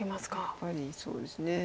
やっぱりそうですね。